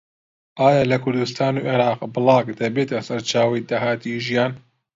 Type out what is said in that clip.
ئایا لە کوردستان و عێراق بڵاگ دەبێتە سەرچاوەی داهاتی ژیان؟